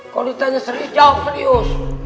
kalau ditanya serius jawab serius